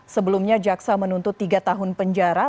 sebelumnya jaksa menuntut tiga tahun penjara